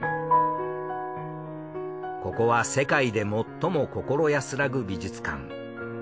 ここは世界で最も心安らぐ美術館。